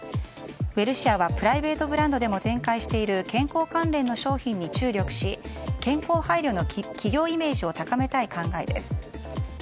ウエルシアはプライベートブランドでも展開している健康関連の商品に注力し健康配慮の企業イメージを高めたい考えです。